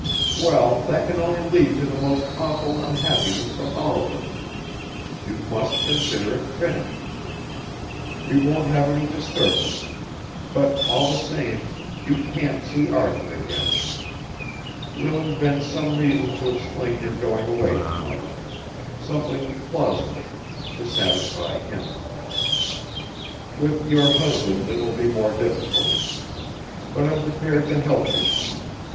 Well, that can only lead to the most awful unhappiness for all of us. You must consider it finished. We won't have any disturbance; but, all the same, you can't see Arthur again. We'll invent some reason to explain your going away to morrow ... something plausible ... to satisfy him. With your husband it will be more difficult. But I'm prepared to help you.